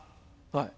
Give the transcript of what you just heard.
はい。